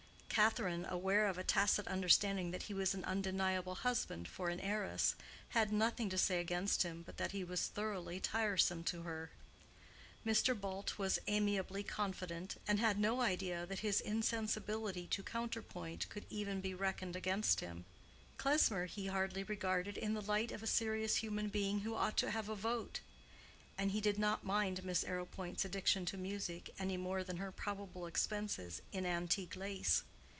Catherine, aware of a tacit understanding that he was an undeniable husband for an heiress, had nothing to say against him but that he was thoroughly tiresome to her. Mr. Bult was amiably confident, and had no idea that his insensibility to counterpoint could ever be reckoned against him. Klesmer he hardly regarded in the light of a serious human being who ought to have a vote; and he did not mind Miss Arrowpoint's addiction to music any more than her probable expenses in antique lace.